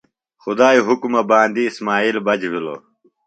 خدائی حُکمہ باندیۡ اسمائیل بچ بِھلوۡ۔